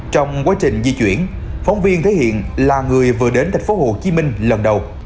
trong quá trình di chuyển phóng viên thể hiện là người vừa đến thành phố hồ chí minh lần đầu